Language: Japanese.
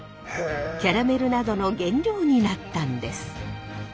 キャラメルなどの原料になったんです。